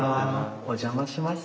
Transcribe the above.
お邪魔します。